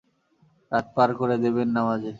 রাত পার করে দেবেন নামাজে।